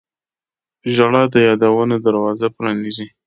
• ژړا د یادونو دروازه پرانیزي.